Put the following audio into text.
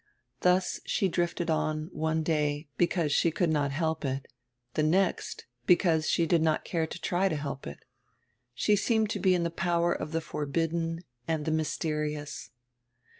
Thus she drifted on, one day, because she could not help it, tire next, because she did not care to try to help it. She seemed to be in die power of die forbidden and tire mysterious.